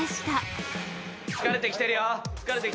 向こう疲れてきてるよ。